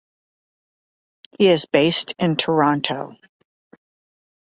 He is based in Toronto.